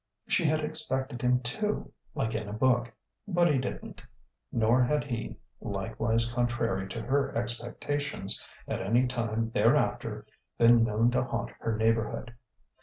She had expected him to like in a book; but he didn't, nor had he (likewise contrary to her expectations) at any time thereafter been known to haunt her neighbourhood.